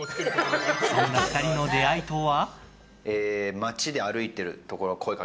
そんな２人の出会いとは？